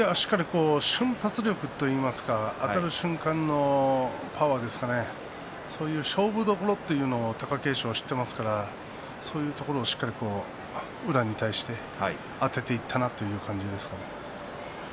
瞬発力といいますかあたる瞬間のパワーですねそういう勝負どころを貴景勝は知っていますからそういうところをしっかりと宇良に対してあてていったっていう感じですね。